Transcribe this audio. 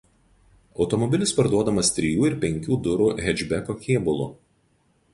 Automobilis parduodamas trijų ir penkių durų hečbeko kėbulu.